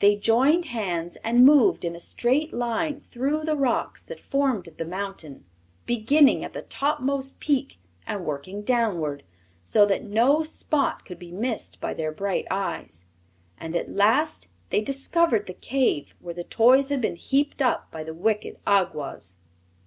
They joined hands and moved in a straight line through the rocks that formed the mountain, beginning at the topmost peak and working downward, so that no spot could be missed by their bright eyes. And at last they discovered the cave where the toys had been heaped up by the wicked Awgwas.